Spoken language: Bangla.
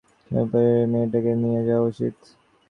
আমার মনে হল এই মেয়েটাকে নিয়ে যাওয়া উচিত।